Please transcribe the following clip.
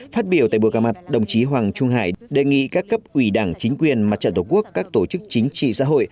phát biểu tại buổi gặp mặt đồng chí hoàng trung hải đề nghị các cấp ủy đảng chính quyền mặt trận tổ quốc các tổ chức chính trị xã hội